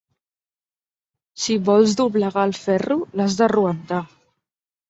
Si vols doblegar el ferro, l'has d'arroentar.